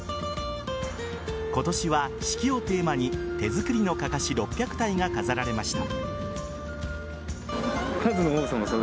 今年は四季をテーマに手作りのかかし６００体が飾られました。